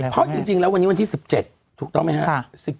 เพราะจริงแล้ววันนี้วันที่๑๗ถูกต้องไหมครับ